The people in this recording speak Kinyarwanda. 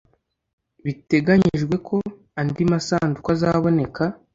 Biteganyijwe ko andi masanduku azaboneka